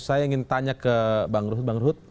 saya ingin tanya ke bang ruhut